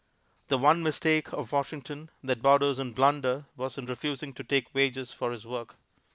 The one mistake of Washington that borders on blunder was in refusing to take wages for his work.